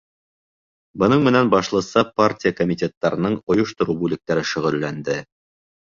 Бының менән башлыса партия комитеттарының ойоштороу бүлектәре шөғөлләнде.